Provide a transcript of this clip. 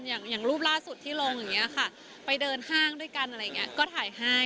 อย่างรูปล่าสุดที่ลงอ่ะครับไปเดินห้างด้วยกันอะไรก็ถ่ายให้